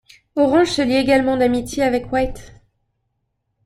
Orange se lie également d'amitié avec White.